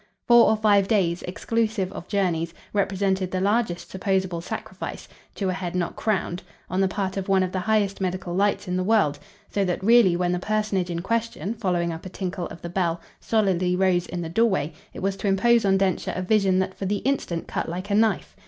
Four or five days, exclusive of journeys, represented the largest supposable sacrifice to a head not crowned on the part of one of the highest medical lights in the world; so that really when the personage in question, following up a tinkle of the bell, solidly rose in the doorway, it was to impose on Densher a vision that for the instant cut like a knife.